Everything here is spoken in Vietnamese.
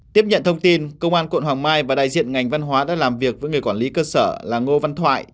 tiếp nhận thông tin công an quận hoàng mai và đại diện ngành văn hóa đã làm việc với người quản lý cơ sở là ngô văn thoại